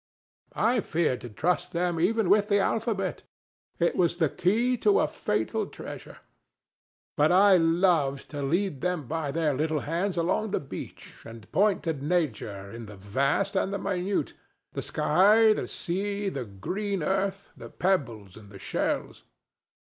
I feared to trust them even with the alphabet: it was the key to a fatal treasure. But I loved to lead them by their little hands along the beach and point to nature in the vast and the minute—the sky, the sea, the green earth, the pebbles and the shells.